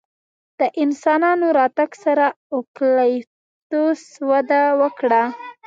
د انسانانو راتګ سره اوکالیپتوس وده وکړه.